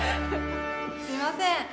すいません。